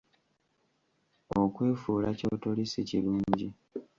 Okwefuula kyotoli si kirungi.